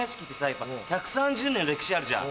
やっぱ１３０年の歴史あるじゃん。